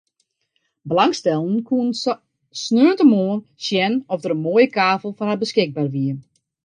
Belangstellenden koene saterdeitemoarn sjen oft der in moaie kavel foar har beskikber wie.